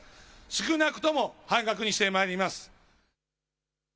少なくとも半額にしてまいります。